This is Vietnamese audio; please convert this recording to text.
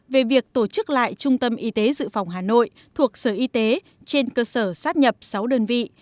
về việc tổ chức lại trung tâm y tế dự phòng hà nội thuộc sở y tế trên cơ sở sát nhập sáu đơn vị